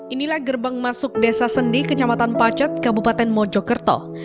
inilah gerbang masuk desa sendi kecamatan pacet kabupaten mojokerto